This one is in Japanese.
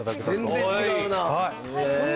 全然違うな！